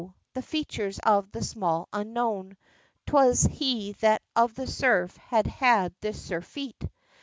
the features of the Small Unknown! 'Twas he that of the surf had had this surfeit!